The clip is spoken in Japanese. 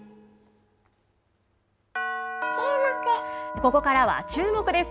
ここからはチューモク！です。